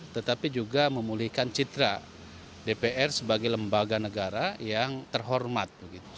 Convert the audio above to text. tetapi juga memulihkan citra dpr sebagai lembaga negara yang terhormat